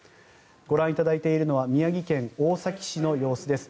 ご覧いただいているのは宮城県大崎市の様子です。